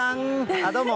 あっ、どうも。